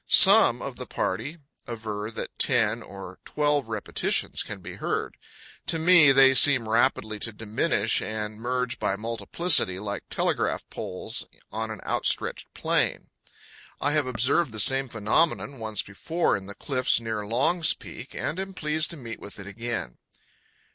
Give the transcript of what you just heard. Some of the party aver that ten or twelve repetitions can be heard. To 168 8 CANYONS OF THE COLORADO. me, they seem rapidly to diminish and merge by multiplicity, like telegraph poles on an outstretched plain. I have observed the same phenomenon once before in the cliffs near Long's Peak, and am pleased to meet with it again.